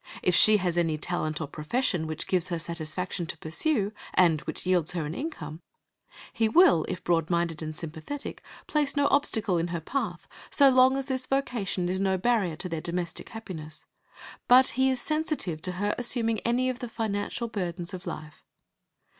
If she has any talent or profession which gives her satisfaction to pursue, and which yields her an income, he will, if broad minded and sympathetic, place no obstacle in her path so long as this vocation is no barrier to their domestic happiness. But he is sensitive to her assuming any of the financial burdens of life.